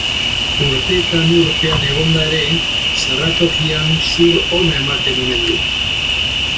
Urteetan urpean egonda ere, zerratokian zur ona ematen omen du.